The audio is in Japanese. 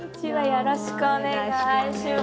よろしくお願いします。